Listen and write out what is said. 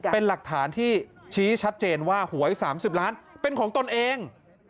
เป็นหลักฐานที่ชี้ชัดเจนว่าหวย๓๐ล้านเป็นของตนเอง